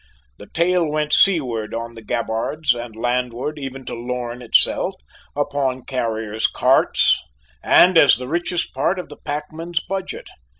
The tale went seaward on the gabbards, and landward, even to Lorn itself, upon carriers' carts and as the richest part of the packman's budget.